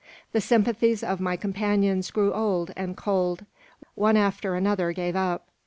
The sympathies of my companions grew old and cold. One after another gave up.